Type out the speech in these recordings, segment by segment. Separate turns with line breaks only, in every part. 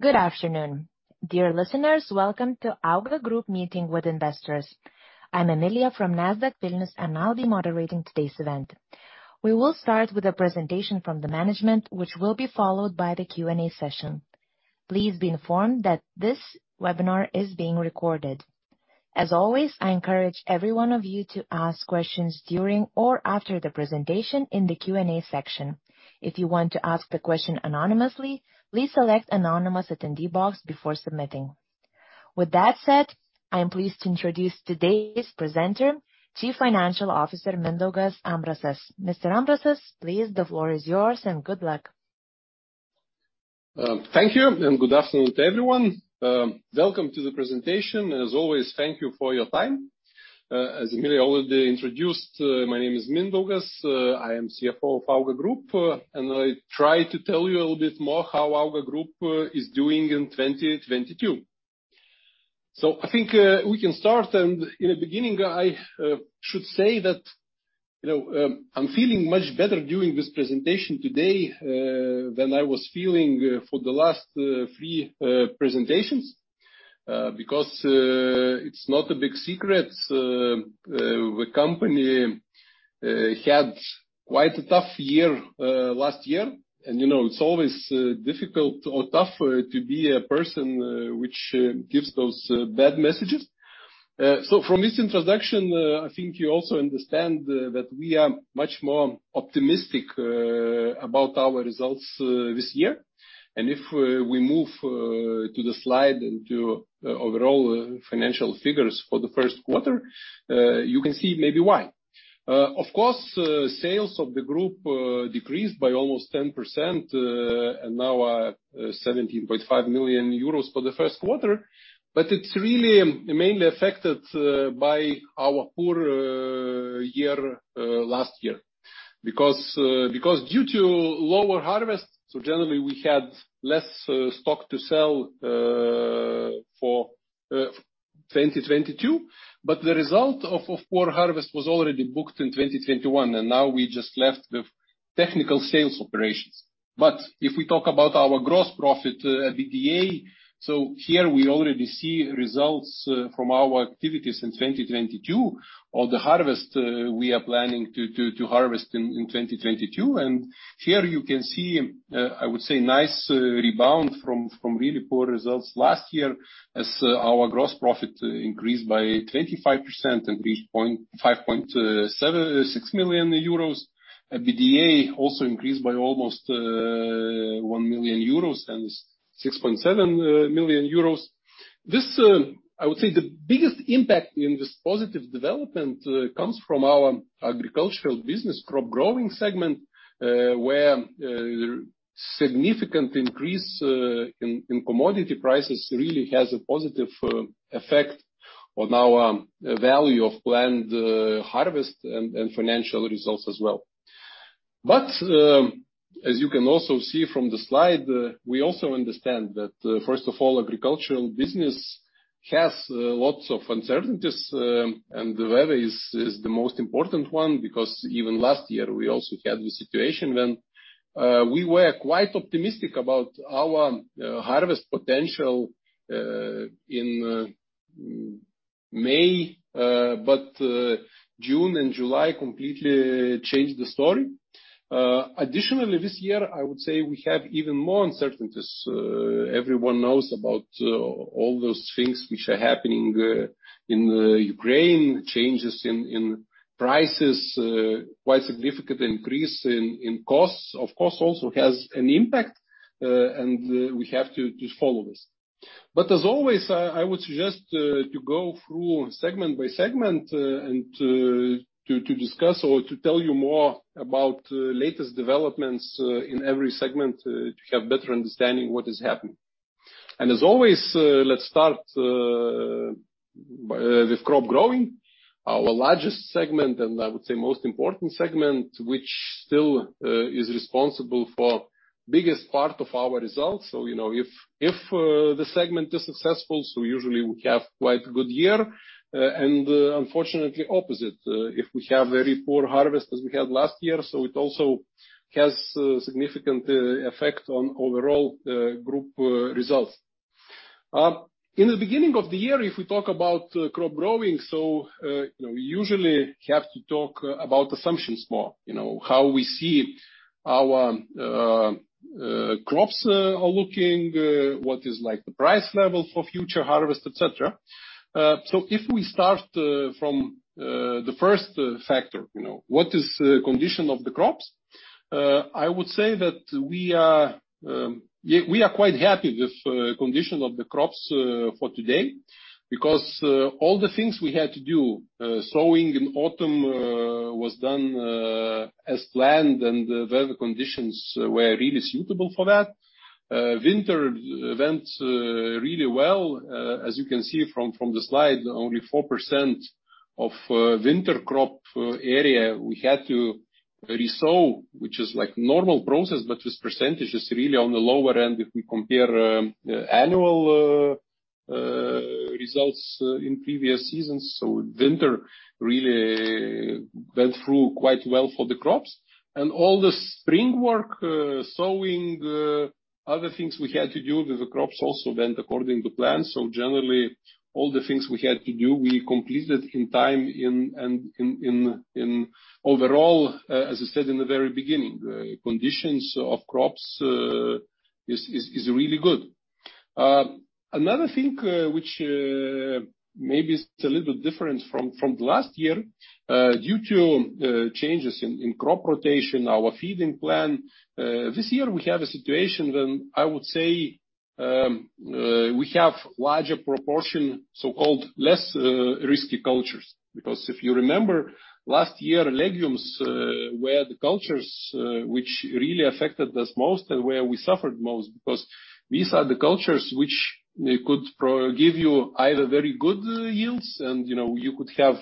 Good afternoon. Dear listeners, welcome to AUGA Group meeting with investors. I'm Emilija from Nasdaq Vilnius, and I'll be moderating today's event. We will start with a presentation from the management, which will be followed by the Q&A session. Please be informed that this webinar is being recorded. As always, I encourage every one of you to ask questions during or after the presentation in the Q&A section. If you want to ask the question anonymously, please select Anonymous Attendee box before submitting. With that said, I am pleased to introduce today's presenter, Chief Financial Officer Mindaugas Ambrasas. Mr. Ambrasas, please, the floor is yours, and good luck.
Thank you, and good afternoon to everyone. Welcome to the presentation. As always, thank you for your time. As Emilija already introduced, my name is Mindaugas. I am CFO of AUGA Group, and I'll try to tell you a little bit more how AUGA Group is doing in 2022. I think we can start. In the beginning, I should say that, you know, I'm feeling much better during this presentation today than I was feeling for the last three presentations because it's not a big secret the company had quite a tough year last year. You know, it's always difficult or tough to be a person which gives those bad messages. From this introduction, I think you also understand that we are much more optimistic about our results this year. If we move to the slide and to overall financial figures for the first quarter, you can see maybe why. Of course, sales of the group decreased by almost 10%, and now 17.5 million euros for the first quarter. It's really mainly affected by our poor year last year. Due to lower harvest, so generally we had less stock to sell for 2022, but the result of poor harvest was already booked in 2021, and now we just left the technical sales operations. If we talk about our gross profit, EBITDA, so here we already see results from our activities in 2022, or the harvest we are planning to harvest in 2022. Here you can see I would say nice rebound from really poor results last year as our gross profit increased by 25% and reached 5.76 million euros. EBITDA also increased by almost 1 million euros and 6.7 million euros. This I would say the biggest impact in this positive development comes from our agricultural business Crop Growing segment, where significant increase in commodity prices really has a positive effect on our value of planned harvest and financial results as well. As you can also see from the slide, we also understand that, first of all, agricultural business has lots of uncertainties, and the weather is the most important one, because even last year we also had the situation when we were quite optimistic about our harvest potential in May, but June and July completely changed the story. Additionally, this year, I would say we have even more uncertainties. Everyone knows about all those things which are happening in Ukraine. Changes in prices, quite significant increase in costs, of course, also has an impact, and we have to follow this. As always, I would suggest to go through segment by segment and to discuss or to tell you more about latest developments in every segment to have better understanding what is happening. As always, let's start with Crop Growing. Our largest segment, and I would say most important segment, which still is responsible for biggest part of our results. You know, if the segment is successful, usually we have quite a good year. Unfortunately opposite, if we have very poor harvest as we had last year, it also has a significant effect on overall group results. In the beginning of the year, if we talk about Crop Growing, you know, we usually have to talk about assumptions more. You know, how we see our crops are looking, what is like the price level for future harvest, et cetera. If we start from the first factor, you know, what is the condition of the crops, I would say that we are quite happy with condition of the crops for today. Because all the things we had to do, sowing in autumn, was done as planned and weather conditions were really suitable for that. Winter went really well. As you can see from the slide, only 4% of winter crop area we had to resow, which is like normal process, but this percentage is really on the lower end if we compare annual results in previous seasons. Winter really went through quite well for the crops and all the spring work, sowing, other things we had to do with the crops also went according to plan. Generally, all the things we had to do, we completed in time. Overall, as I said in the very beginning, the conditions of crops is really good. Another thing, which maybe is a little different from last year, due to changes in crop rotation, our feeding plan, this year we have a situation when I would say, we have larger proportion, so-called less risky cultures. Because if you remember last year, legumes were the crops which really affected us most and where we suffered most because these are the crops which they could give you either very good yields and, you know, you could have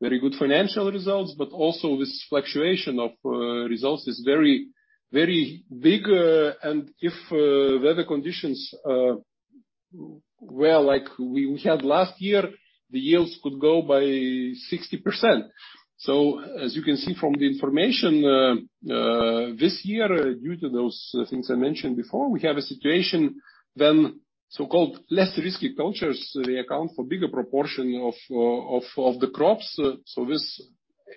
very good financial results, but also this fluctuation of results is very, very big. If weather conditions were like we had last year, the yields could go by 60%. As you can see from the information, this year due to those things I mentioned before, we have a situation when so-called less risky crops they account for bigger proportion of the crops. This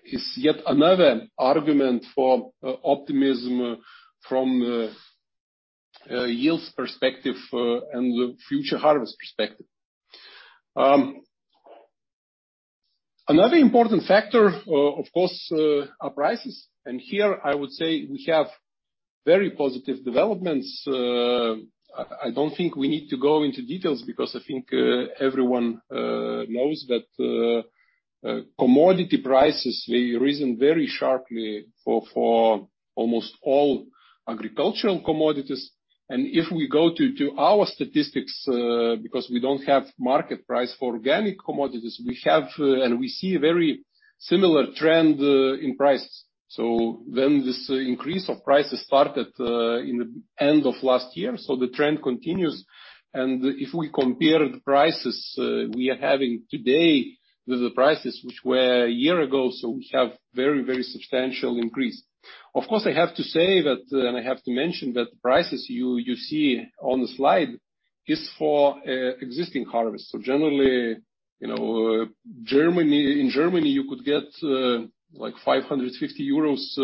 is yet another argument for optimism from yields perspective and the future harvest perspective. Another important factor, of course, are prices. Here I would say we have very positive developments. I don't think we need to go into details because I think everyone knows that commodity prices may risen very sharply for almost all agricultural commodities. If we go to our statistics, because we don't have market price for organic commodities, and we see very similar trend in prices. When this increase of prices started in the end of last year, the trend continues. If we compare the prices we are having today with the prices which were a year ago, we have very, very substantial increase. Of course, I have to say that, and I have to mention that the prices you see on the slide is for existing harvest. Generally, in Germany, you could get like 550 euros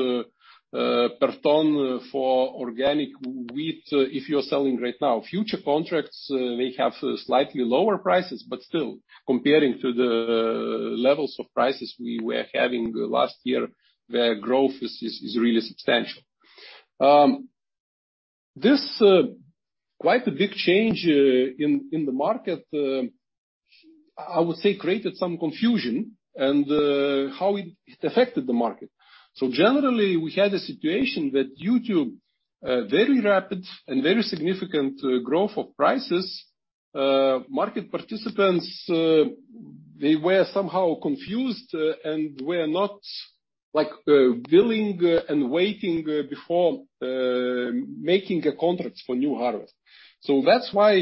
per tonne for organic wheat if you're selling right now. Futures contracts may have slightly lower prices, but still, comparing to the levels of prices we were having last year, the growth is really substantial. This quite a big change in the market, I would say, created some confusion and how it affected the market. Generally, we had a situation that due to very rapid and very significant growth of prices, market participants they were somehow confused and were not like willing and waiting before making a contract for new harvest. That's why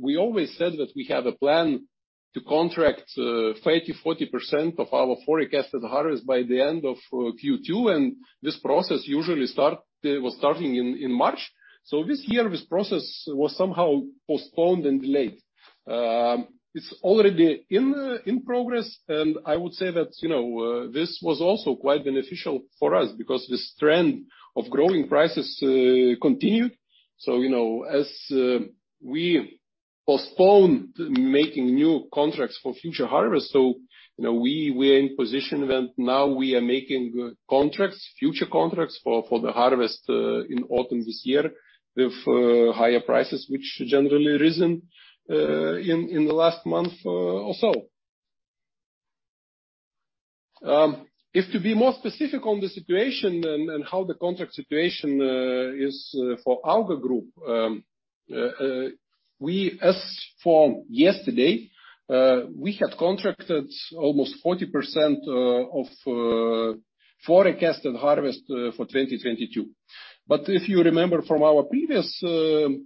we always said that we have a plan to contract 30%-40% of our forecasted harvest by the end of Q2. This process usually was starting in March. This year this process was somehow postponed and delayed. It's already in progress. I would say that, you know, this was also quite beneficial for us because this trend of growing prices continued. You know, as we postponed making new contracts for future harvest, so, you know, we were in position when now we are making contracts, future contracts for the harvest in autumn this year with higher prices which generally risen in the last month or so. If to be more specific on the situation and how the contract situation is for AUGA Group, as from yesterday, we had contracted almost 40% of forecasted harvest for 2022. If you remember from our previous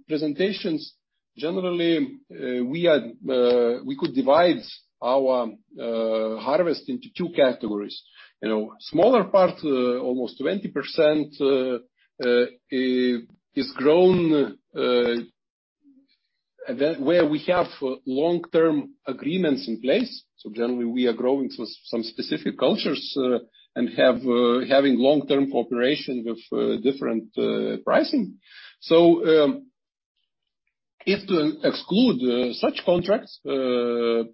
presentations, generally, we could divide our harvest into two categories. You know, smaller part, almost 20% is grown where we have long-term agreements in place. Generally we are growing some specific cultures and have long-term cooperation with different pricing. If to exclude such contracts and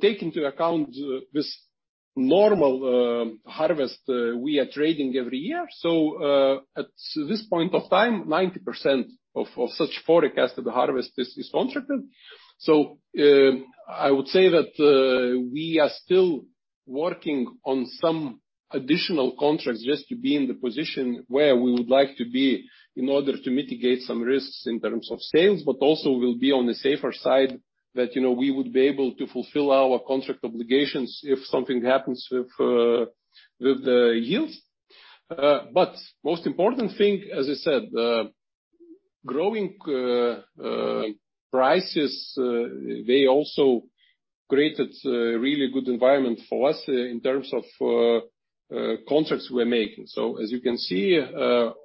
take into account this normal harvest we are trading every year, at this point of time, 90% of such forecasted harvest is contracted. I would say that we are still working on some additional contracts just to be in the position where we would like to be in order to mitigate some risks in terms of sales, but also we'll be on the safer side that, you know, we would be able to fulfill our contract obligations if something happens with the yields. Most important thing, as I said, growing prices, they also created a really good environment for us in terms of contracts we're making. As you can see,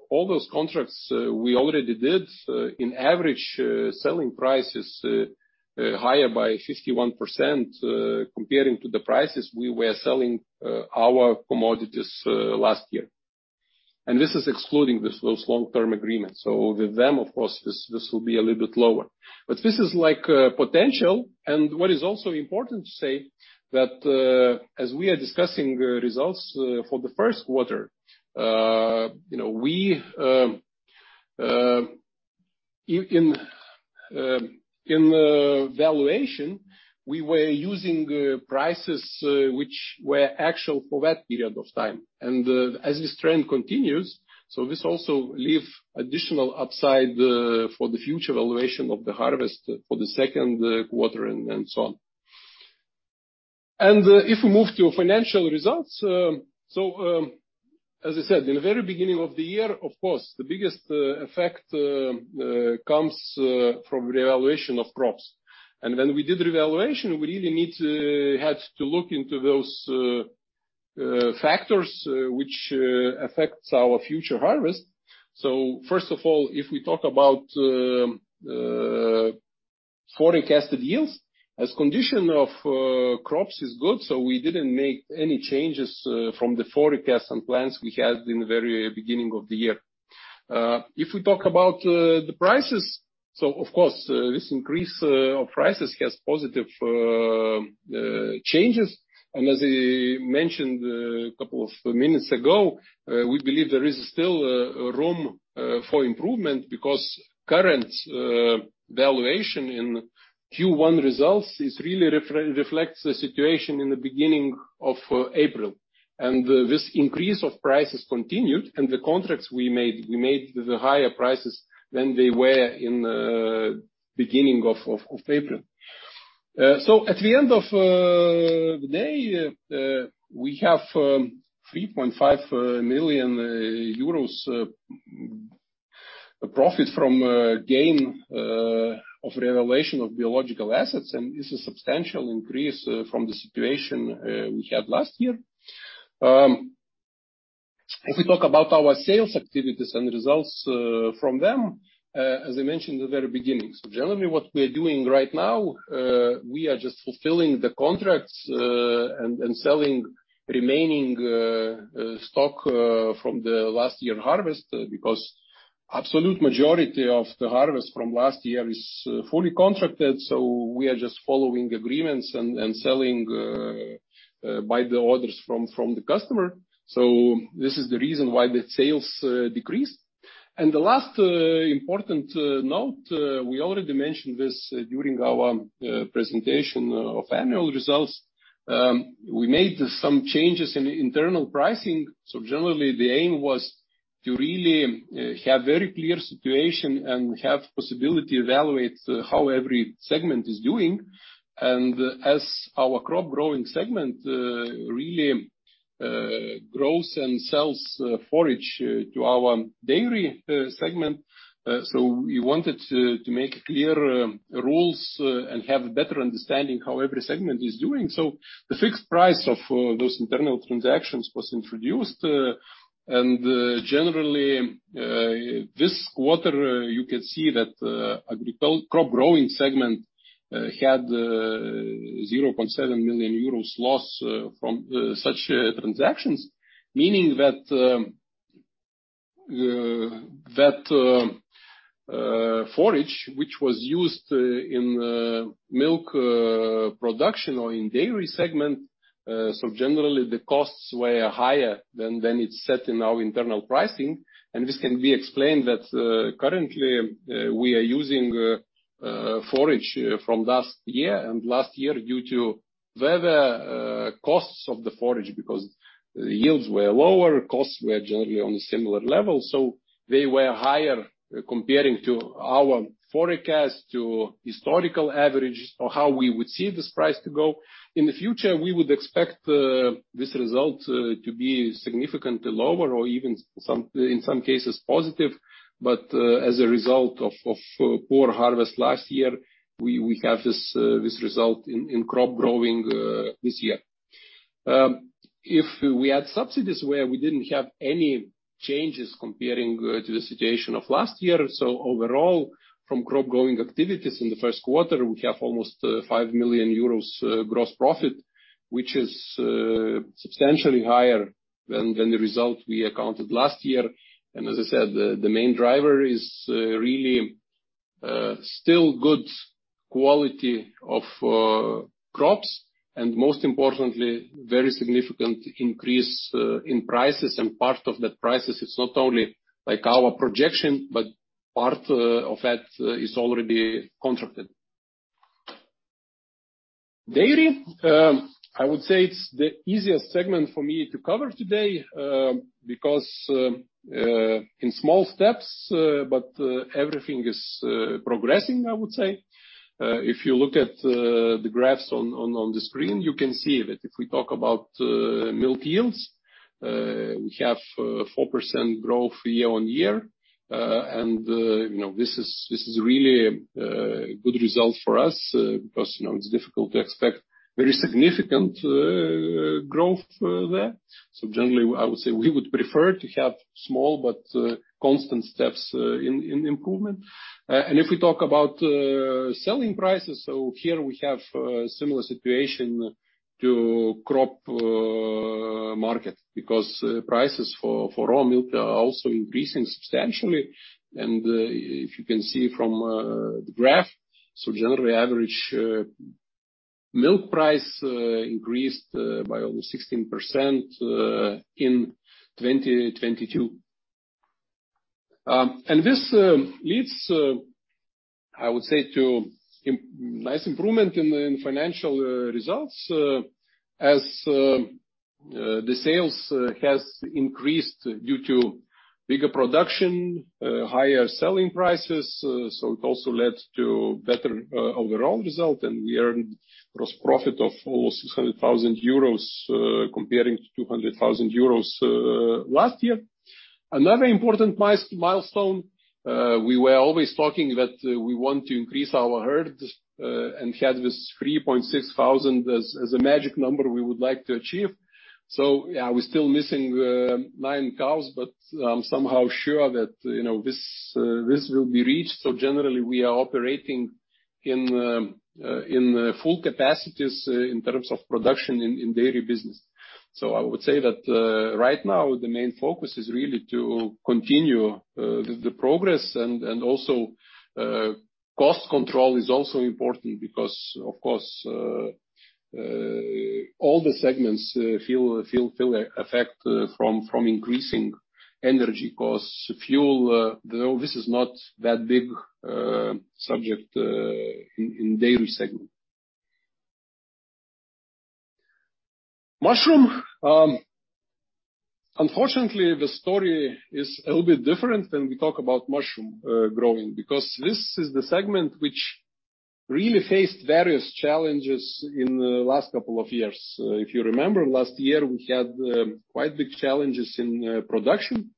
all those contracts we already did, on average, selling price is higher by 51%, compared to the prices we were selling our commodities last year. This is excluding those long-term agreements. With them, of course, this will be a little bit lower. This is like potential. What is also important to say that, as we are discussing results for the first quarter, you know, we in the valuation were using prices which were actual for that period of time. As this trend continues, this also leaves additional upside for the future valuation of the harvest for the second quarter and so on. If we move to financial results, as I said, in the very beginning of the year, of course, the biggest effect comes from revaluation of crops. When we did revaluation, we really had to look into those factors which affects our future harvest. First of all, if we talk about forecasted yields, the condition of crops is good, so we didn't make any changes from the forecast and plans we had in the very beginning of the year. If we talk about the prices, so of course, this increase of prices has positive changes. As I mentioned a couple of minutes ago, we believe there is still room for improvement because current valuation in Q1 results really reflects the situation in the beginning of April. This increase of prices continued, and the contracts we made with higher prices than they were in beginning of April. At the end of the day, we have 3.5 million euros profit from gain of revaluation of biological assets, and this is substantial increase from the situation we had last year. If we talk about our sales activities and results from them, as I mentioned at the very beginning, generally, what we are doing right now, we are just fulfilling the contracts and selling remaining stock from the last year harvest, because absolute majority of the harvest from last year is fully contracted. We are just following agreements and selling by the orders from the customer. This is the reason why the sales decreased. The last important note, we already mentioned this during our presentation of annual results. We made some changes in internal pricing. Generally, the aim was to really have very clear situation and have possibility evaluate how every segment is doing. As our Crop Growing segment really grows and sells forage to our Dairy segment, we wanted to make clear rules and have a better understanding how every segment is doing. The fixed price of those internal transactions was introduced. Generally, this quarter, you can see that Crop Growing segment had 0.7 million euros loss from such transactions, meaning that that forage, which was used in milk production or in Dairy segment, so generally, the costs were higher than it's set in our internal pricing. This can be explained that currently, we are using forage from last year. Last year, due to weather, costs of the forage, because yields were lower, costs were generally on similar levels, so they were higher comparing to our forecast to historical averages or how we would see this price to go. In the future, we would expect this result to be significantly lower or even in some cases positive. As a result of poor harvest last year, we have this result in Crop Growing this year. If we had subsidies where we didn't have any changes comparing to the situation of last year. Overall, from Crop Growing activities in the first quarter, we have almost 5 million euros gross profit, which is substantially higher than the result we accounted last year. As I said, the main driver is really still good quality of crops and most importantly, very significant increase in prices. Part of that prices is not only like our projection, but part of that is already contracted. Dairy, I would say it's the easiest segment for me to cover today, because in small steps, but everything is progressing, I would say. If you look at the graphs on the screen, you can see that if we talk about milk yields, we have 4% growth year-on-year. You know, this is really good result for us, because you know, it's difficult to expect very significant growth there. Generally, I would say we would prefer to have small but constant steps in improvement. If we talk about selling prices, here we have similar situation to crop market because prices for raw milk are also increasing substantially. If you can see from the graph, generally average milk price increased by over 16% in 2022. This leads, I would say to nice improvement in financial results, as the sales has increased due to bigger production, higher selling prices. It also led to better overall result, and we earned gross profit of almost 600,000 euros, comparing to 200,000 euros last year. Another important milestone, we were always talking that we want to increase our herd, and had this 3,600 as a magic number we would like to achieve. Yeah, we're still missing nine cows, but somehow sure that, you know, this will be reached. Generally we are operating in full capacities in terms of production in Dairy business. I would say that right now the main focus is really to continue the progress and also cost control is also important because of course all the segments feel effect from increasing energy costs, fuel. Though this is not that big subject in Dairy segment. Mushroom unfortunately the story is a little bit different when we talk about mushroom growing because this is the segment which really faced various challenges in the last couple of years. If you remember last year we had quite big challenges in production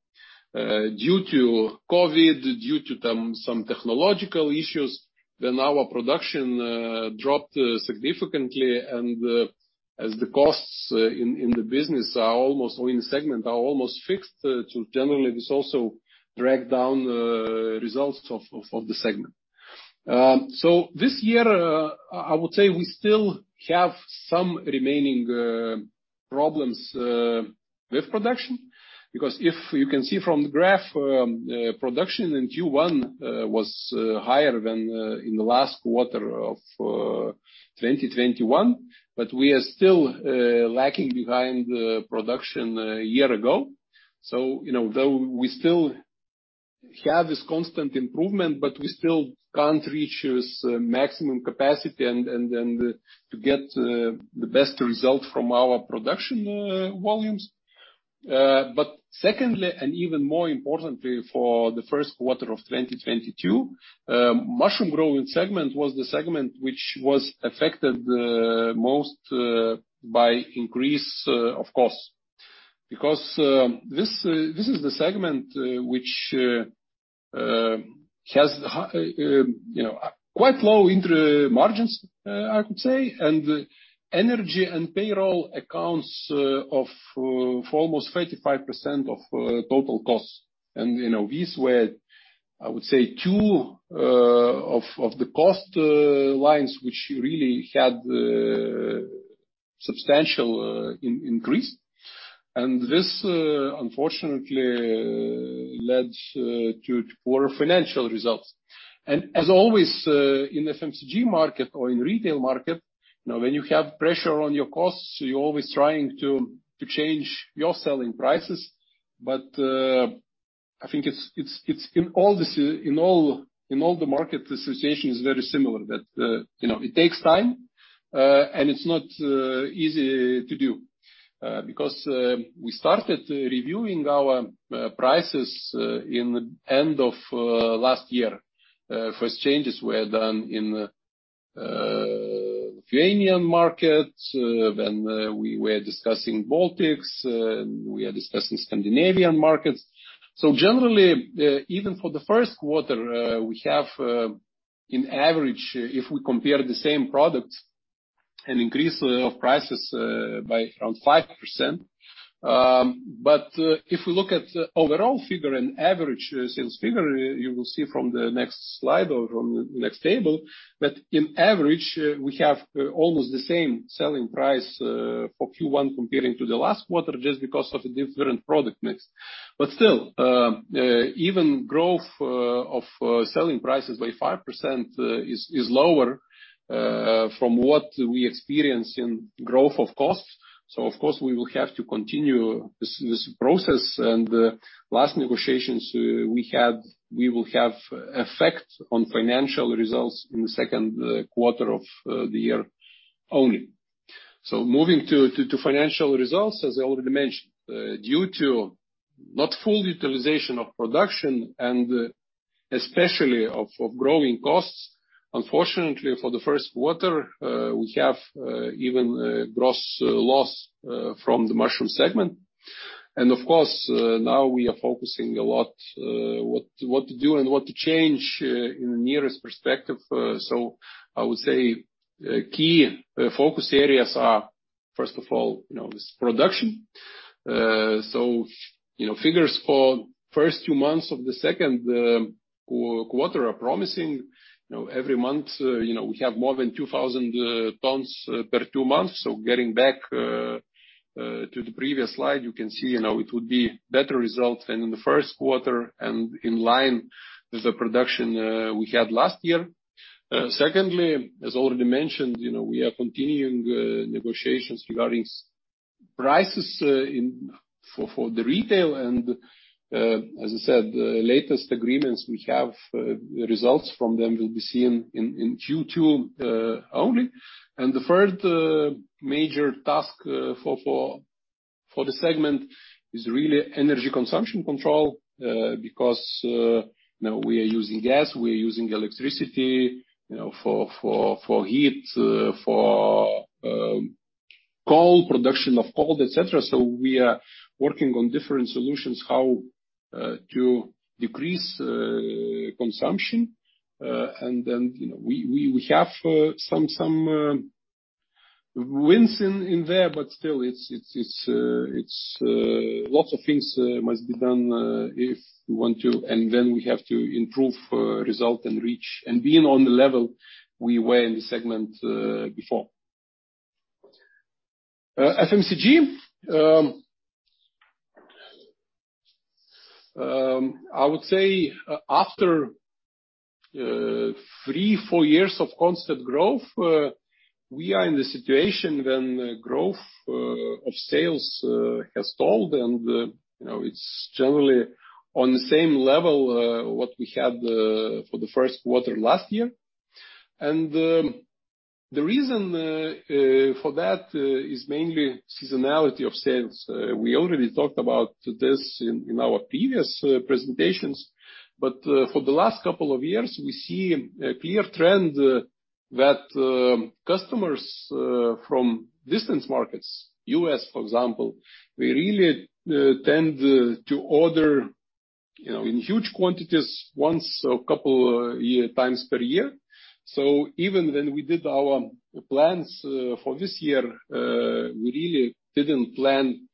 due to COVID, due to some technological issues, when our production dropped significantly and as the costs in the business are almost, or in the segment, almost fixed, too, generally, this also dragged down the results of the segment. This year I would say we still have some remaining problems with production because if you can see from the graph, production in Q1 was higher than in the last quarter of 2021 but we are still lagging behind the production a year ago. You know, though we still have this constant improvement, but we still can't reach this maximum capacity and to get the best result from our production volumes. Secondly, and even more importantly for the first quarter of 2022, mushroom growing segment was the segment which was affected the most by increase of costs. Because this is the segment which has quite low thin margins, I could say. Energy and payroll accounts for almost 35% of total costs. You know, these were, I would say, two of the cost lines which really had substantial increases. This unfortunately led to poor financial results. As always, in FMCG market or in retail market, you know, when you have pressure on your costs, you're always trying to change your selling prices but, I think it's in all the market situation is very similar that, you know, it takes time, and it's not easy to do. Because we started reviewing our prices at the end of last year. First changes were done in Lithuanian market, then we were discussing Baltics, we are discussing Scandinavian markets. Generally, even for the first quarter, we have on average, if we compare the same products an increase in prices by around 5%. If we look at overall figure and average sales figure, you will see from the next slide or from next table that on average we have almost the same selling price for Q1 compared to the last quarter just because of the different product mix. Still, average growth of selling prices by 5% is lower than what we experience in growth of costs. Of course, we will have to continue this process. The last negotiations we had will have effect on financial results in the second quarter of the year only. Moving to financial results, as I already mentioned, due to not full utilization of production and especially of growing costs, unfortunately for the first quarter, we have even a gross loss from the Mushroom segment. Of course, now we are focusing a lot, what to do and what to change in the nearest perspective. I would say key focus areas are, first of all, you know, is production. You know, figures for first two months of the second quarter are promising. You know, every month, you know, we have more than 2,000 tonnes per two months. Getting back to the previous slide, you can see, you know, it would be better result than in the first quarter and in line with the production we had last year. Secondly, as already mentioned, you know, we are continuing negotiations regarding prices for the retail. As I said, the latest agreements we have, results from them will be seen in Q2 only. The third major task for the segment is really energy consumption control, because you know, we are using gas, we are using electricity, you know, for heat, for cold, production of cold, et cetera. We are working on different solutions how to decrease consumption. You know, we have some wins in there, but still it's lots of things must be done if we want to. We have to improve result and reach and being on the level we were in the segment before. FMCG, I would say after three, four years of constant growth, we are in the situation when growth of sales has stalled and, you know, it's generally on the same level what we had for the first quarter last year. The reason for that is mainly seasonality of sales. We already talked about this in our previous presentations, but for the last couple of years, we see a clear trend that customers from distant markets, U.S. for example, they really tend to order, you know, in huge quantities once or couple times per year. Even when we did our plans for this year, we really didn't plan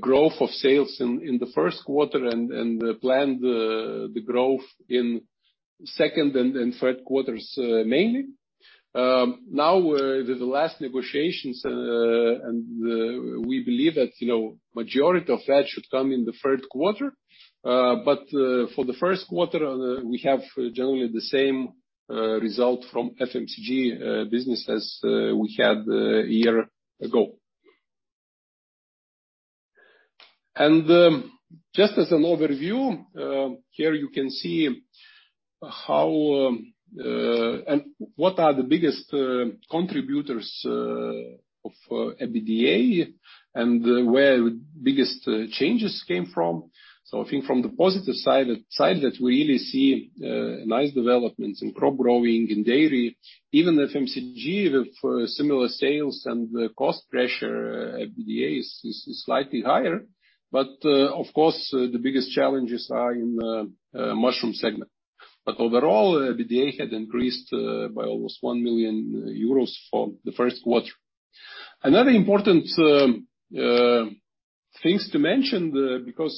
growth of sales in the first quarter and planned the growth in second and third quarters mainly. Now with the last negotiations, we believe that, you know, majority of that should come in the third quarter. For the first quarter, we have generally the same result from FMCG business as we had a year ago. Just as an overview, here you can see how and what are the biggest contributors of EBITDA and where biggest changes came from. I think from the positive side that we really see nice developments in Crop Growing and Dairy, even FMCG with similar sales and the cost pressure, EBITDA is slightly higher. Of course, the biggest challenges are in the Mushroom segment. Overall, EBITDA had increased by almost 1 million euros for the first quarter. Another important things to mention because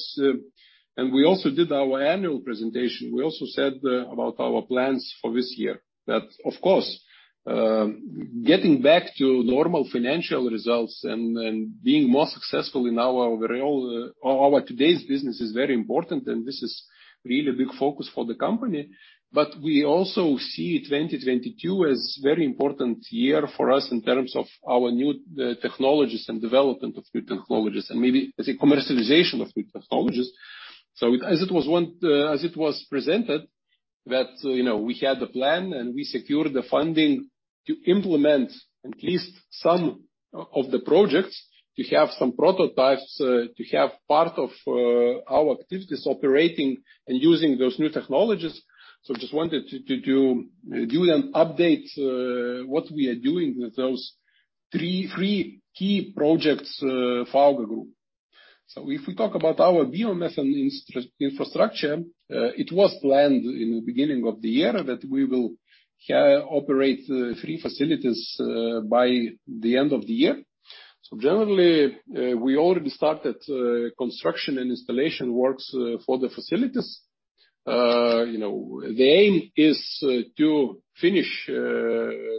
we also did our annual presentation. We also said about our plans for this year that of course getting back to normal financial results and being more successful in our overall today's business is very important, and this is really a big focus for the company. We also see 2022 as very important year for us in terms of our new technologies and development of new technologies and maybe as a commercialization of new technologies. As it was presented that, you know, we had the plan and we secured the funding to implement at least some of the projects, to have some prototypes, to have part of our activities operating and using those new technologies. Just wanted to give you an update what we are doing with those three key projects for AUGA Group. If we talk about our biomass and infrastructure, it was planned in the beginning of the year that we will operate three facilities by the end of the year. Generally, we already started construction and installation works for the facilities. You know, the aim is to finish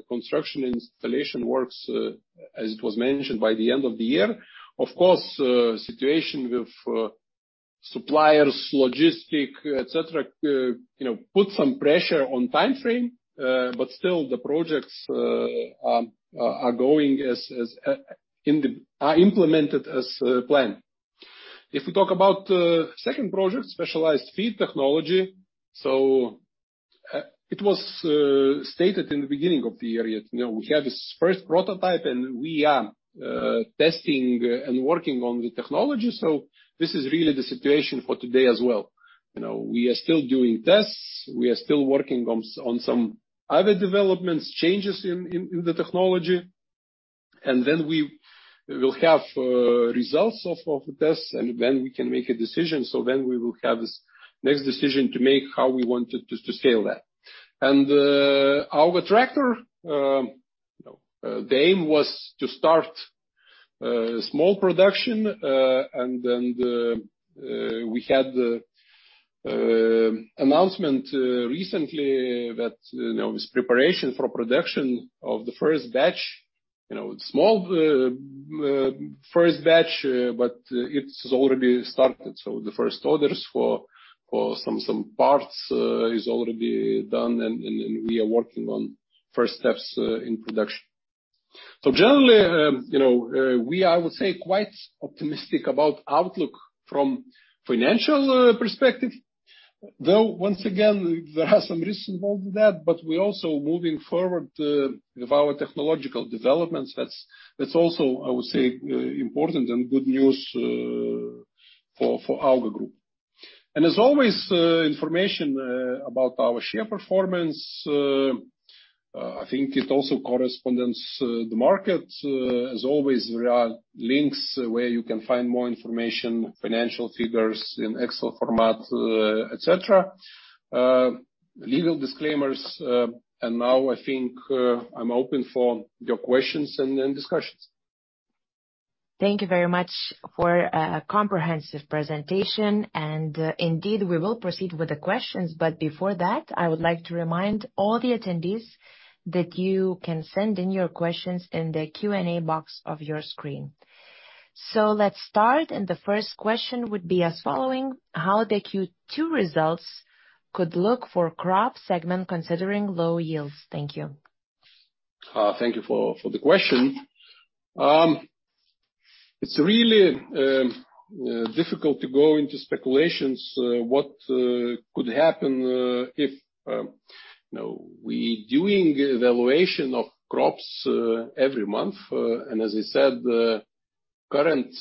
construction and installation works, as it was mentioned, by the end of the year. Of course, situation with suppliers, logistics, et cetera, you know, put some pressure on timeframe. But still the projects are implemented as planned. If we talk about second project, specialized feed technology, it was stated in the beginning of the year, you know, we have this first prototype and we are testing and working on the technology. This is really the situation for today as well. You know, we are still doing tests, we are still working on some other developments, changes in the technology, and then we will have results of the tests, and when we can make a decision. We will have this next decision to make, how we want to scale that. Our tractor, you know, the aim was to start small production, and then we had the announcement recently that, you know, this preparation for production of the first batch, you know, small first batch, but it's already started. The first orders for some parts is already done and we are working on first steps in production. Generally, you know, we are, I would say, quite optimistic about the outlook from a financial perspective, though once again, there are some risks involved with that. We're also moving forward with our technological developments. That's also, I would say, important and good news for AUGA Group. As always, information about our share performance. I think it also corresponds to the market. As always, there are links where you can find more information, financial figures in Excel format, et cetera. Legal disclaimers, and now I think I'm open for your questions and discussions.
Thank you very much for a comprehensive presentation, and indeed, we will proceed with the questions. Before that, I would like to remind all the attendees that you can send in your questions in the Q&A box of your screen. Let's start, and the first question would be as following: how the Q2 results could look for crop segment considering low yields? Thank you.
Thank you for the question. It's really difficult to go into speculations what could happen if you know we doing revaluation of crops every month and as I said the current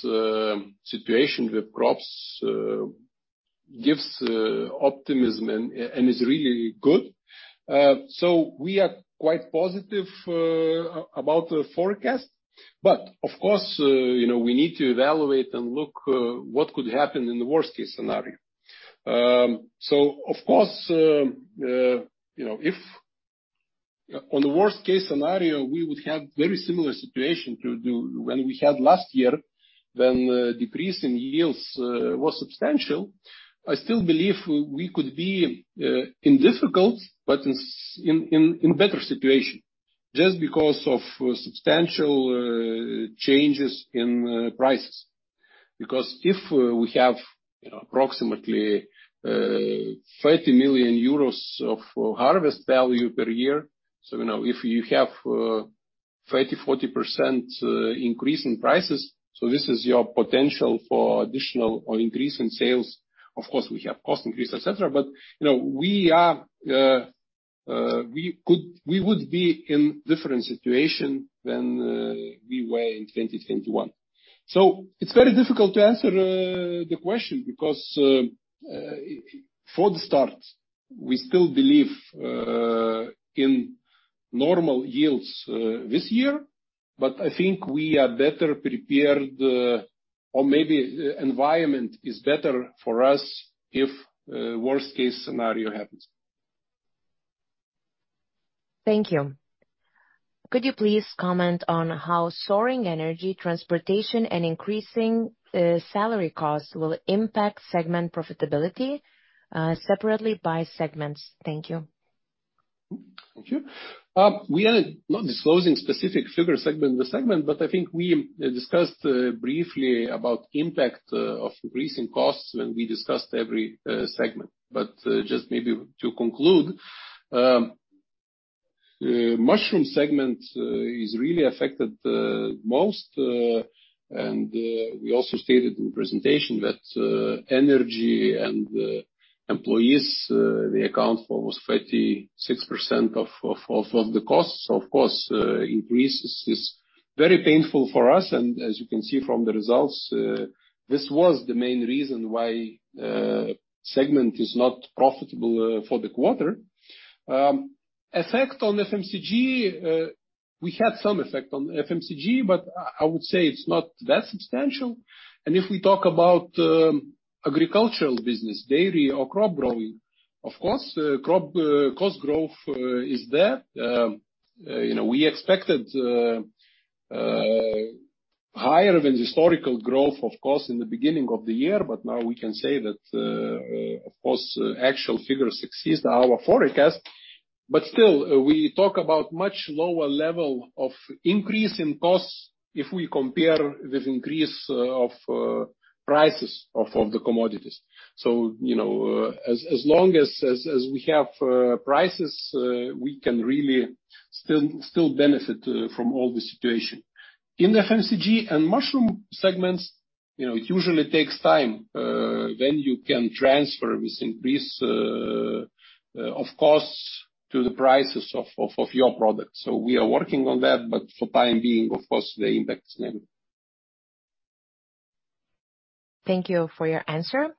situation with crops gives optimism and is really good. We are quite positive about the forecast. Of course you know we need to evaluate and look what could happen in the worst-case scenario. Of course you know if in the worst-case scenario we would have very similar situation to when we had last year when decrease in yields was substantial. I still believe we could be in difficult but in better situation just because of substantial changes in prices. Because if we have, you know, approximately 30 million euros of harvest value per year, you know, if you have 30%-40% increase in prices, this is your potential for additional or increase in sales. Of course, we have cost increase, et cetera, but, you know, we would be in different situation than we were in 2021. It's very difficult to answer the question because, for the start, we still believe in normal yields this year. I think we are better prepared, or maybe environment is better for us if worst-case scenario happens.
Thank you. Could you please comment on how soaring energy, transportation, and increasing salary costs will impact segment profitability, separately by segments? Thank you.
Thank you. We are not disclosing specific figures segment to segment, but I think we discussed briefly about impact of increasing costs when we discussed every segment. Just maybe to conclude, Mushroom segment is really affected most, and we also stated in presentation that energy and employees they account for almost 36% of the costs. Of course, increase is very painful for us and as you can see from the results, this was the main reason why segment is not profitable for the quarter. Effect on FMCG, we had some effect on FMCG, but I would say it's not that substantial. If we talk about agricultural business, Dairy or Crop Growing, of course, crop cost growth is there. You know, we expected higher than historical growth of course in the beginning of the year, but now we can say that of course, actual figures exceeds our forecast. Still, we talk about much lower level of increase in costs if we compare with increase of prices of the commodities. You know, as long as we have prices, we can really still benefit from all the situation. In the FMCG and Mushroom segments, you know, it usually takes time when you can transfer this increase of costs to the prices of your products. We are working on that, but for the time being, of course, the impact is minimal.
Thank you for your answer.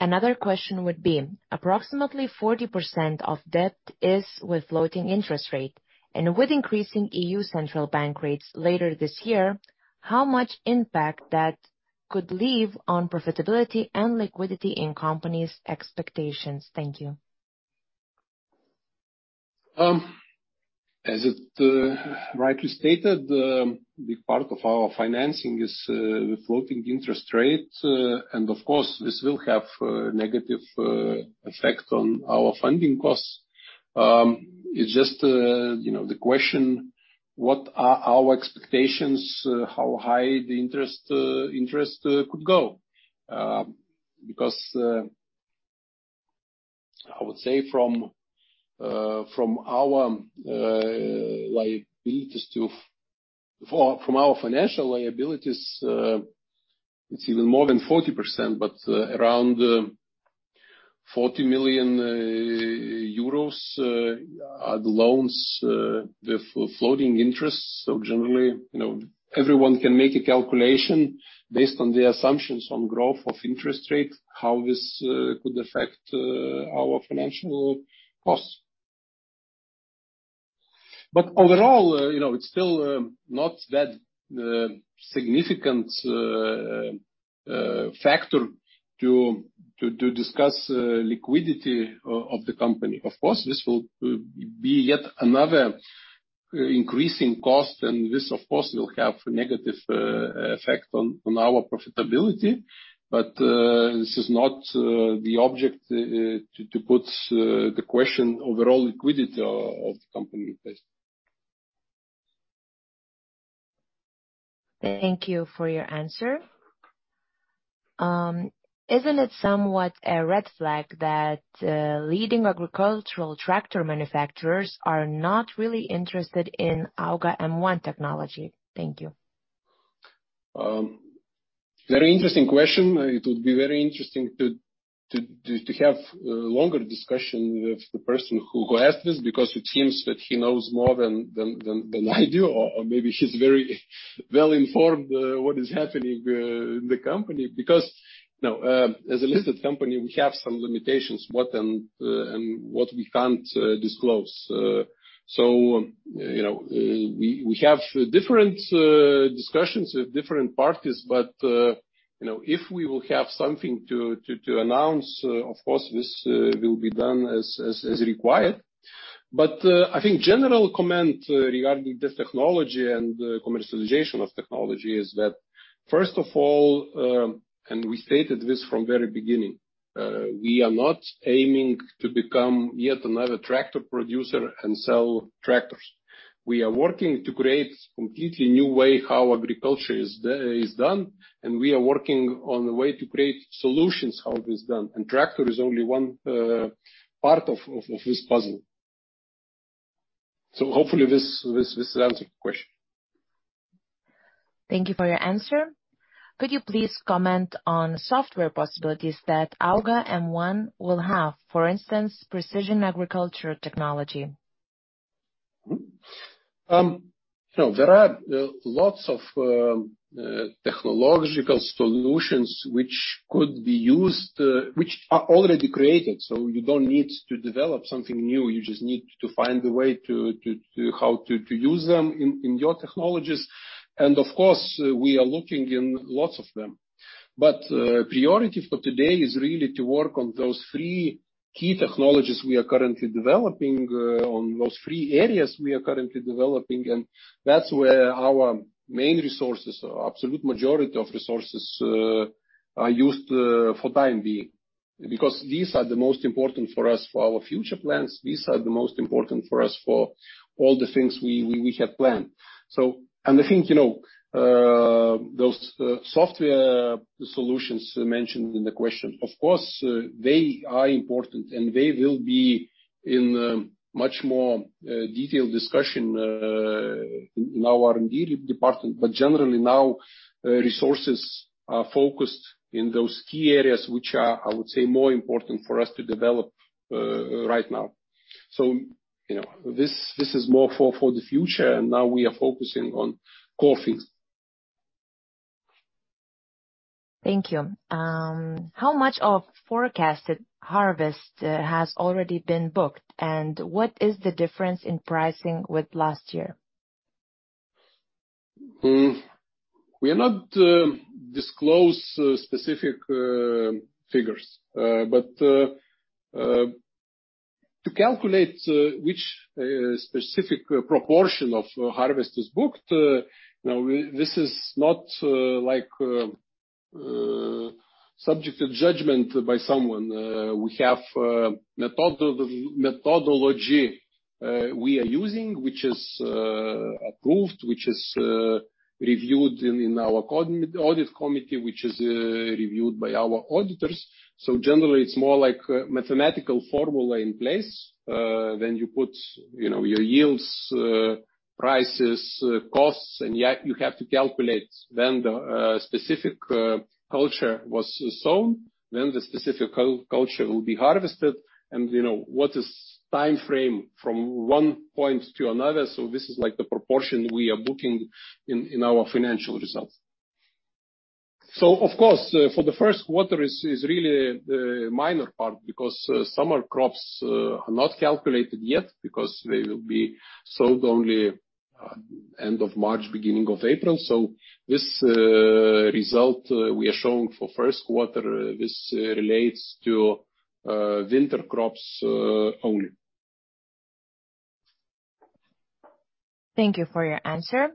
Another question would be, approximately 40% of debt is with floating interest rate. With increasing European Central Bank rates later this year, how much impact that could leave on profitability and liquidity in company's expectations? Thank you.
As it rightly stated, the part of our financing is with floating interest rates. Of course, this will have a negative effect on our funding costs. It's just, you know, the question what are our expectations, how high the interest could go. Because I would say from our financial liabilities, it's even more than 40%, but around 40 million euros are the loans with floating interest. Generally, you know, everyone can make a calculation based on the assumptions on growth of interest rates, how this could affect our financial costs. Overall, you know, it's still not that significant factor to discuss liquidity of the company. Of course, this will be yet another increasing cost, and this, of course, will have negative effect on our profitability. This is not the object to put the question overall liquidity of the company at risk.
Thank you for your answer. Isn't it somewhat a red flag that leading agricultural tractor manufacturers are not really interested in AUGA M1 technology? Thank you.
Very interesting question. It would be very interesting to have a longer discussion with the person who asked this because it seems that he knows more than I do, or maybe he's very well-informed what is happening in the company. Because, you know, as a listed company, we have some limitations what we can and what we can't disclose. You know, we have different discussions with different parties. You know, if we will have something to announce, of course, this will be done as required. I think general comment regarding this technology and commercialization of technology is that, first of all, and we stated this from very beginning, we are not aiming to become yet another tractor producer and sell tractors. We are working to create completely new way how agriculture is done, and we are working on a way to create solutions how it is done. Tractor is only one part of this puzzle. Hopefully this answers your question.
Thank you for your answer. Could you please comment on software possibilities that AUGA M1 will have? For instance, precision agriculture technology.
You know, there are lots of technological solutions which could be used, which are already created, so you don't need to develop something new. You just need to find a way to use them in your technologies. Of course, we are looking into lots of them. Priority for today is really to work on those three key technologies we are currently developing, on those three areas we are currently developing. That's where our main resources are. Absolute majority of resources are used for the time being. Because these are the most important for us for our future plans. These are the most important for us for all the things we have planned. I think, you know, those software solutions mentioned in the question, of course, they are important, and they will be in a much more detailed discussion in our R&D department. Generally now, resources are focused in those key areas which are, I would say, more important for us to develop right now. You know, this is more for the future, and now we are focusing on core things.
Thank you. How much of forecasted harvest has already been booked, and what is the difference in pricing with last year?
We are not disclosing specific figures. To calculate which specific proportion of harvest is booked, you know, this is not like subject to judgment by someone. We have methodology we are using, which is approved, which is reviewed in our audit committee, which is reviewed by our auditors. Generally, it's more like a mathematical formula in place than you put, you know, your yields, prices, costs, and yet you have to calculate when the specific culture was sown, when the specific culture will be harvested and, you know, what is timeframe from one point to another. This is like the proportion we are booking in our financial results. Of course, for the first quarter is really the minor part because summer crops are not calculated yet because they will be sowed only end of March, beginning of April. This result we are showing for first quarter this relates to winter crops only.
Thank you for your answer.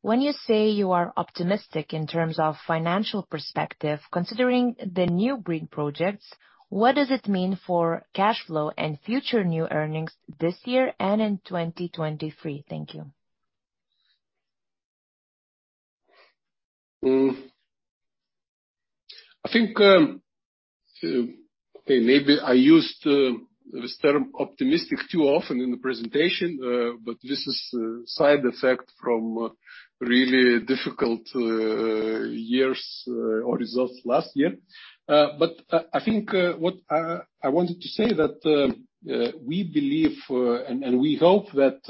When you say you are optimistic in terms of financial perspective, considering the new green projects, what does it mean for cash flow and future new earnings this year and in 2023? Thank you.
I think, okay, maybe I used this term optimistic too often in the presentation, but this is a side effect from really difficult years or results last year. But I think what I wanted to say that we believe and we hope that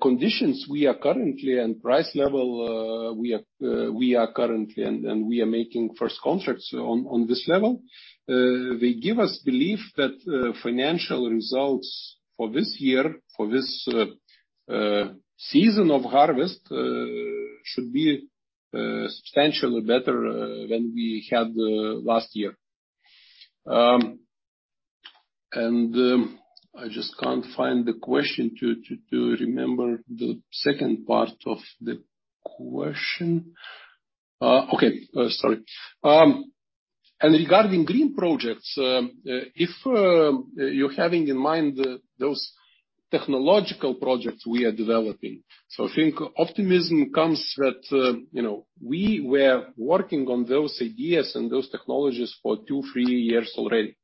conditions we are currently and price level we are currently and we are making first contracts on this level. They give us belief that financial results for this year, for this season of harvest, should be substantially better than we had last year. I just can't find the question to remember the second part of the question. Okay, sorry. Regarding green projects, if you're having in mind those technological projects we are developing. I think optimism comes that, you know, we were working on those ideas and those technologies for two, three years already.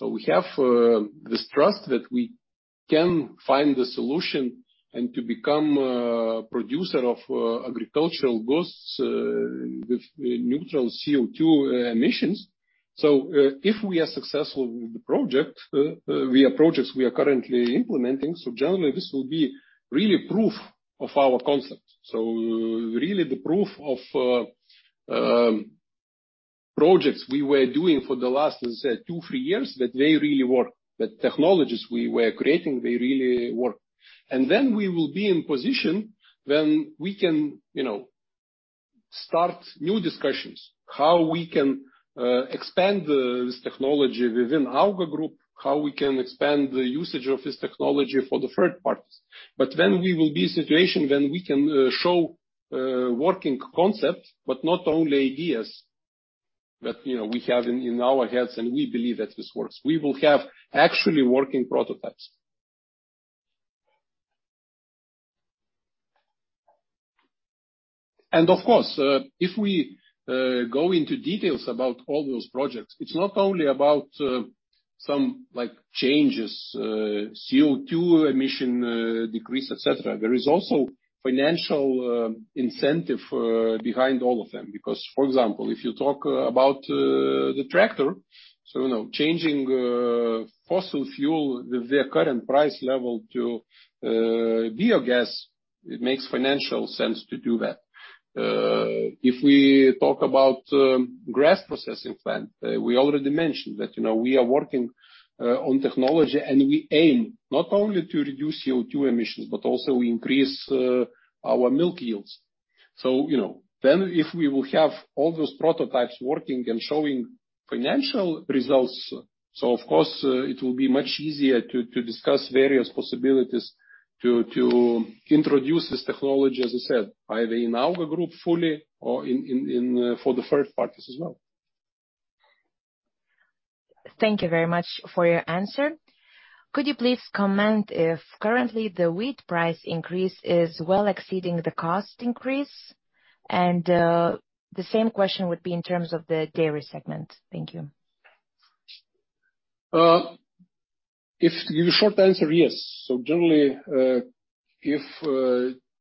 We have this trust that we can find the solution and to become producer of agricultural goods with neutral CO2 emissions. If we are successful with the project, we have projects we are currently implementing, so generally this will be really proof of our concept. Really the proof of projects we were doing for the last, let's say, two, three years, that they really work. The technologies we were creating, they really work. Then we will be in position when we can, you know, start new discussions, how we can expand this technology within AUGA Group, how we can expand the usage of this technology for the third parties. When we will be in situation when we can show working concepts, but not only ideas that, you know, we have in our heads, and we believe that this works. We will have actually working prototypes. Of course, if we go into details about all those projects, it's not only about some, like, changes, CO2 emission decrease, et cetera. There is also financial incentive behind all of them because, for example, if you talk about the tractor, so, you know, changing fossil fuel with their current price level to biogas, it makes financial sense to do that. If we talk about grass processing plant, we already mentioned that, you know, we are working on technology, and we aim not only to reduce CO2 emissions but also increase our milk yields. You know, then if we will have all those prototypes working and showing financial results, so of course, it will be much easier to discuss various possibilities to introduce this technology, as I said, either in AUGA Group fully or in for the third parties as well.
Thank you very much for your answer. Could you please comment if currently the wheat price increase is well exceeding the cost increase? The same question would be in terms of the Dairy segment. Thank you.
If the short answer, yes. Generally, if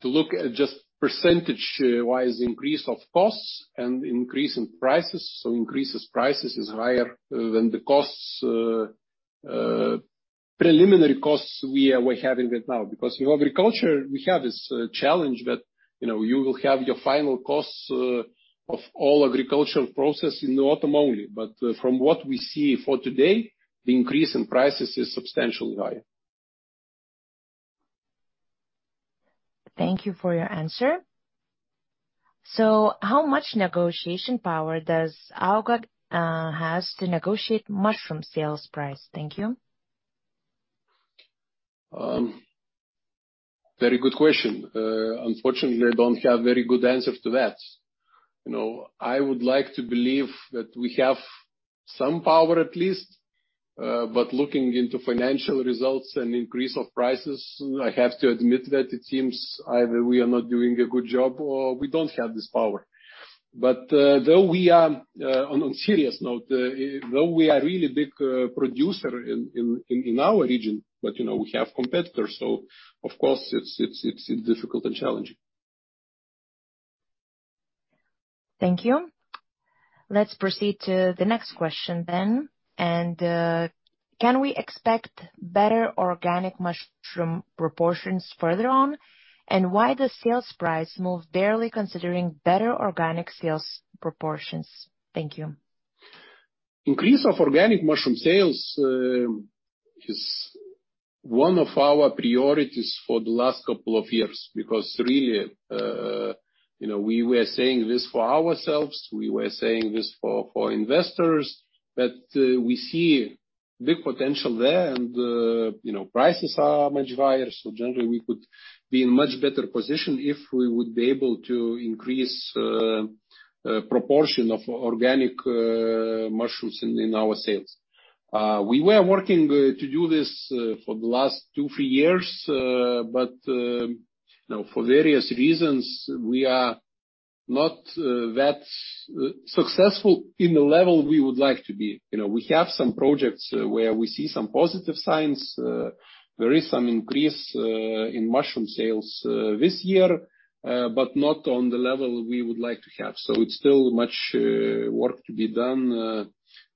to look at just percentage-wise increase of costs and increase in prices, the increase in prices is higher than the costs, preliminary costs we're having right now. Because in agriculture we have this challenge that, you know, you will have your final costs of all agricultural process in the autumn only. From what we see today, the increase in prices is substantially higher.
Thank you for your answer. How much negotiation power does AUGA has to negotiate mushroom sales price? Thank you.
Very good question. Unfortunately, I don't have very good answer to that. You know, I would like to believe that we have some power at least, but looking into financial results and increase of prices, I have to admit that it seems either we are not doing a good job or we don't have this power. Though we are on serious note, though we are really big producer in our region, but you know, we have competitors, so of course it's difficult and challenging.
Thank you. Let's proceed to the next question then. Can we expect better organic mushroom proportions further on? Why the sales price move barely considering better organic sales proportions? Thank you.
Increase of organic mushroom sales is one of our priorities for the last couple of years because really, you know, we were saying this for ourselves, we were saying this for investors that we see big potential there and, you know, prices are much higher. Generally, we could be in much better position if we would be able to increase proportion of organic mushrooms in our sales. We were working to do this for the last two, three years, but, you know, for various reasons we are not that successful in the level we would like to be. You know, we have some projects where we see some positive signs. There is some increase in mushroom sales this year, but not on the level we would like to have. It's still much work to be done,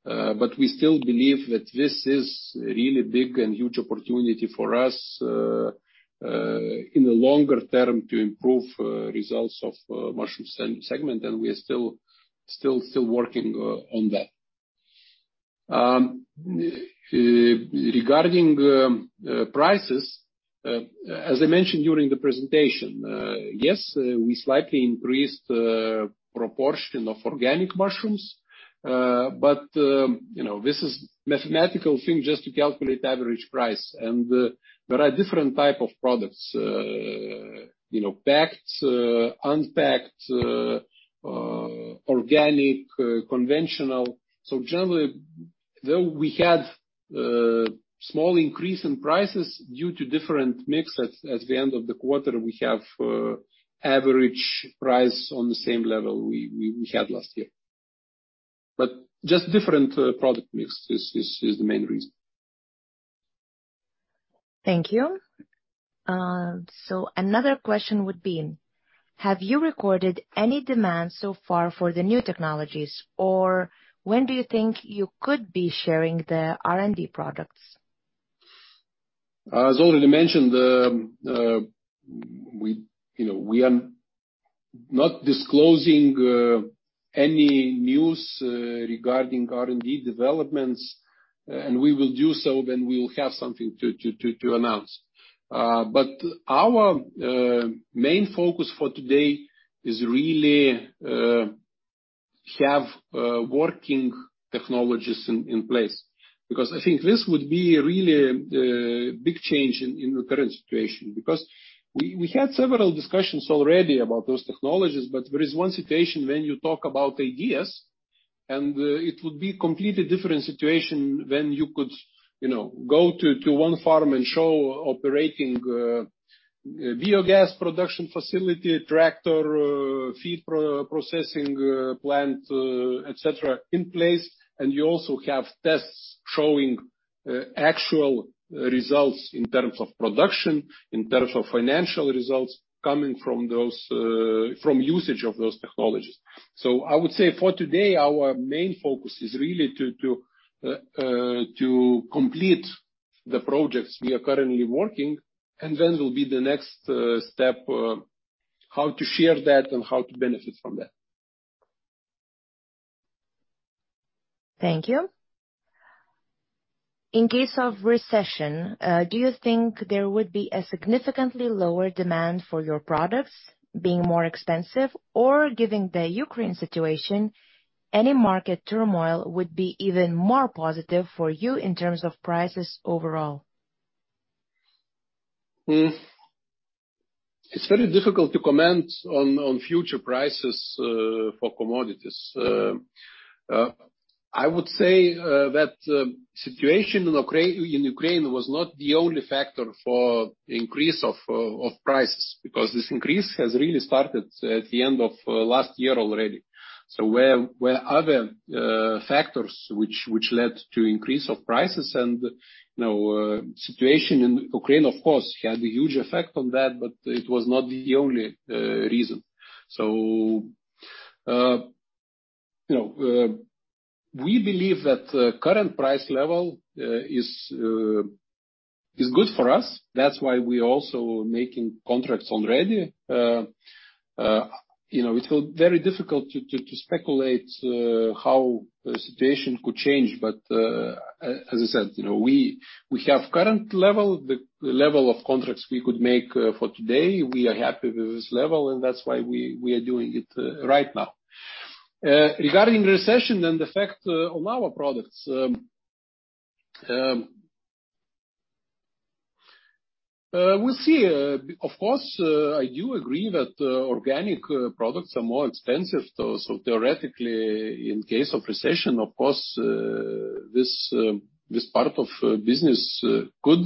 but we still believe that this is really big and huge opportunity for us in the longer term to improve results of Mushroom segment, and we are still working on that. Regarding prices, as I mentioned during the presentation, yes, we slightly increased the proportion of organic mushrooms, but you know, this is mathematical thing just to calculate average price. There are different type of products, you know, packed, unpacked, organic, conventional. Generally, though we had small increase in prices due to different mix, at the end of the quarter we have average price on the same level we had last year. Just different product mix is the main reason.
Thank you. Another question would be: Have you recorded any demand so far for the new technologies? Or when do you think you could be sharing the R&D products?
As already mentioned, you know, we are not disclosing any news regarding R&D developments, and we will do so when we will have something to announce. Our main focus for today is really have working technologies in place. Because I think this would be really a big change in the current situation, because we had several discussions already about those technologies. There is one situation when you talk about ideas, and it would be completely different situation when you could, you know, go to one farm and show operating biogas production facility, tractor, feed processing plant, etc., in place. You also have tests showing actual results in terms of production, in terms of financial results coming from usage of those technologies. I would say for today, our main focus is really to complete the projects we are currently working, and then will be the next step, how to share that and how to benefit from that.
Thank you. In case of recession, do you think there would be a significantly lower demand for your products being more expensive? Given the Ukraine situation, any market turmoil would be even more positive for you in terms of prices overall?
It's very difficult to comment on future prices for commodities. I would say that situation in Ukraine was not the only factor for increase of prices, because this increase has really started at the end of last year already. There were other factors which led to increase of prices. You know, situation in Ukraine, of course, had a huge effect on that, but it was not the only reason. You know, we believe that the current price level is good for us. That's why we're also making contracts already. You know, it will be very difficult to speculate how the situation could change. As I said, you know, we have current level, the level of contracts we could make for today. We are happy with this level, and that's why we are doing it right now. Regarding recession and the effect on our products, we see, of course, I do agree that organic products are more expensive though, so theoretically in case of recession, of course, this part of business could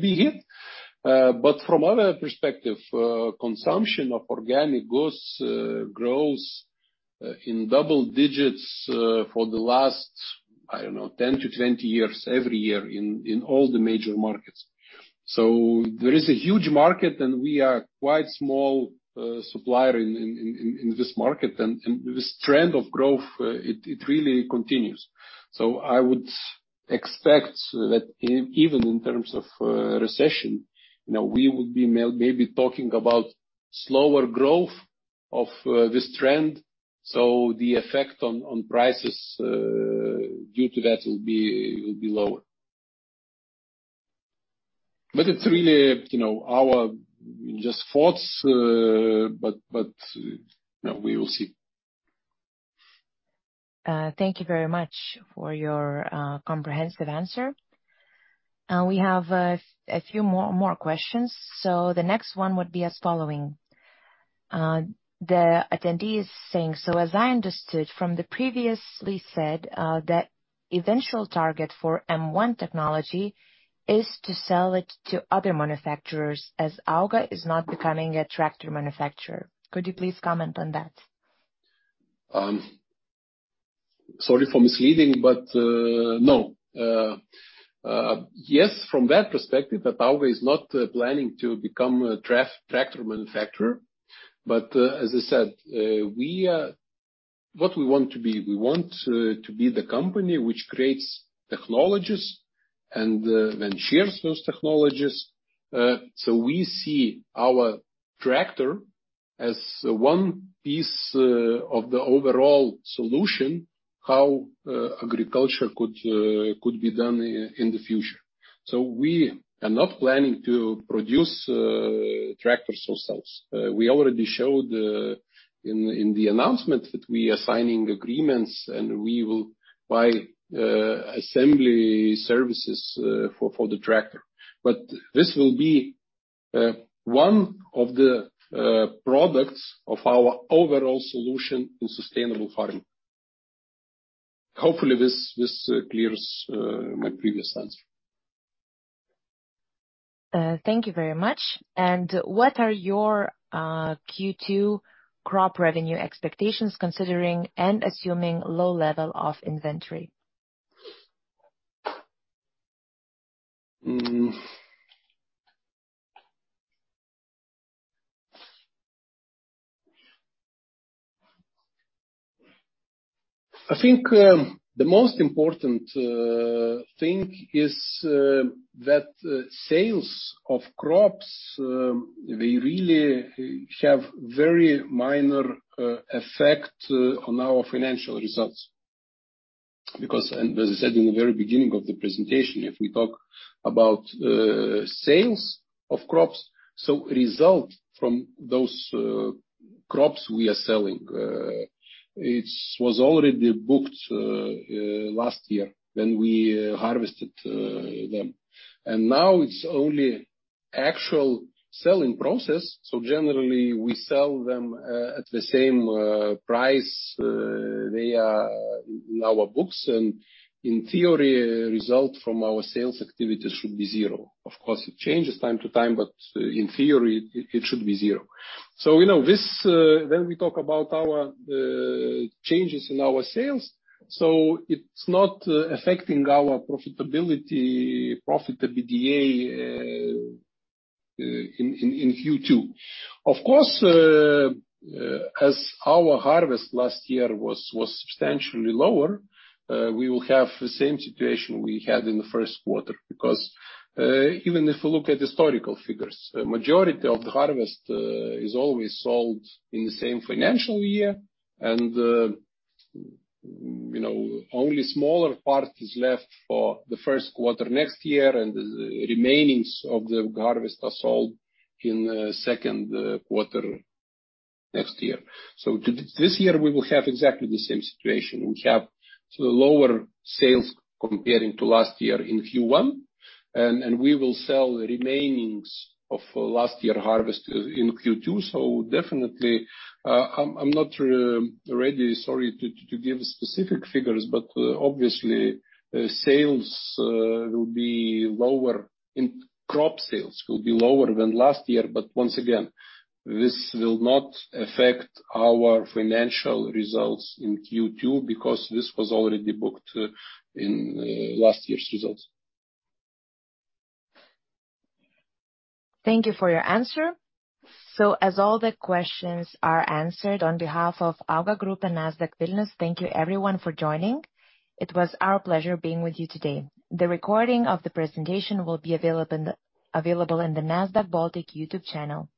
be hit. From other perspective, consumption of organic goods grows in double digits for the last, I don't know, 10-20 years every year in all the major markets. There is a huge market, and we are quite small supplier in this market. This trend of growth, it really continues. I would expect that even in terms of recession, you know, we would be maybe talking about slower growth of this trend. The effect on prices due to that will be lower. It's really, you know, our just thoughts. You know, we will see.
Thank you very much for your comprehensive answer. We have a few more questions. The next one would be as follows. The attendee is saying, "As I understood from the previously said, that eventual target for M1 technology is to sell it to other manufacturers as AUGA is not becoming a tractor manufacturer. Could you please comment on that?
Sorry for misleading, but no. Yes, from that perspective, that AUGA is not planning to become a tractor manufacturer. As I said, what we want to be, we want to be the company which creates technologies and then shares those technologies. We see our tractor as one piece of the overall solution, how agriculture could be done in the future. We are not planning to produce tractors ourselves. We already showed in the announcement that we are signing agreements, and we will buy assembly services for the tractor. This will be one of the products of our overall solution in sustainable farming. Hopefully this clears my previous answer.
Thank you very much. What are your Q2 crop revenue expectations considering and assuming low level of inventory?
I think the most important thing is that sales of crops they really have very minor effect on our financial results because as I said in the very beginning of the presentation, if we talk about sales of crops, so result from those crops we are selling, it was already booked last year when we harvested them. Now it's only actual selling process. Generally we sell them at the same price they are in our books. In theory, result from our sales activities should be zero. Of course, it changes from time to time, but in theory it should be zero. You know, this when we talk about our changes in our sales, so it's not affecting our profitability, profit EBITDA in Q2. Of course, as our harvest last year was substantially lower, we will have the same situation we had in the first quarter. Because even if we look at historical figures, a majority of the harvest is always sold in the same financial year. You know, only smaller part is left for the first quarter next year, and the remaining of the harvest are sold in the second quarter next year. To this year we will have exactly the same situation. We have lower sales compared to last year in Q1, and we will sell the remaining of last year harvest in Q2. Definitely, I'm not ready, sorry, to give specific figures, but obviously sales will be lower and crop sales will be lower than last year. Once again, this will not affect our financial results in Q2 because this was already booked in last year's results.
Thank you for your answer. As all the questions are answered, on behalf of AUGA Group and Nasdaq Vilnius, thank you everyone for joining. It was our pleasure being with you today. The recording of the presentation will be available in the Nasdaq Baltic YouTube channel.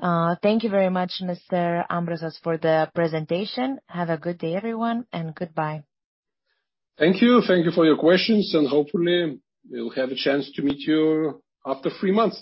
Thank you very much, Mr. Ambrasas for the presentation. Have a good day, everyone, and goodbye.
Thank you. Thank you for your questions, and hopefully we'll have a chance to meet you after three months.